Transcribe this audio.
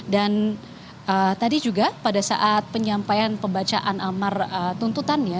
dan tadi juga pada saat penyampaian pembacaan amar tuntutannya